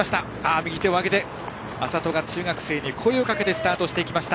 右手を上げて安里が中学生に声をかけてスタートしていきました。